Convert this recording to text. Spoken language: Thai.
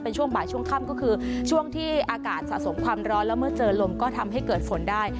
ช่วงบ่ายช่วงค่ำก็คือช่วงที่อากาศสะสมความร้อนแล้วเมื่อเจอลมก็ทำให้เกิดฝนได้